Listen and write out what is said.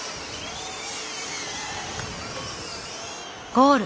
ゴール！